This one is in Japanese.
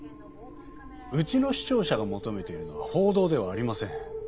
うちの視聴者が求めているのは報道ではありません。